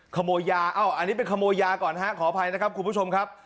ขโมยยาเอ้าอันนี้เป็นขโมยยาก่อนฮะขออภัยนะครับคุณผู้ชมครับ